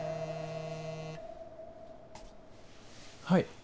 はい。